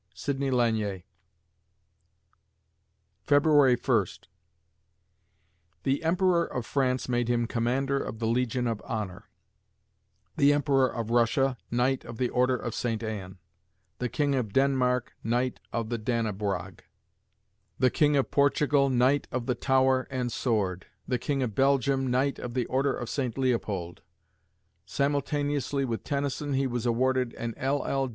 SIDNEY LANIER February First The Emperor of France made him Commander of the Legion of Honor; The Emperor of Russia, Knight of the Order of St. Ann; the King of Denmark, Knight of the Dannebrog; the King of Portugal, Knight of the Tower and Sword; the King of Belgium, Knight of the Order of St. Leopold; simultaneously with Tennyson, he was awarded an LL.